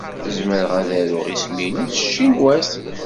Zemreɣ ad aruɣ isem-inu s tcinwat.